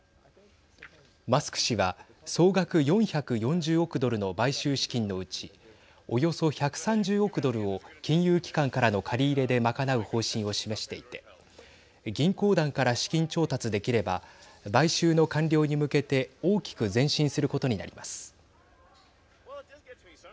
マスク氏は総額４４０億ドルの買収資金のうちおよそ１３０億ドルを金融機関からの借り入れで賄う方針を示していて銀行団から資金調達できれば買収の完了に向けて大きく前進することになります。